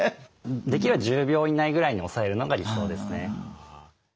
できれば１０秒以内ぐらいに抑えるのが理想ですね。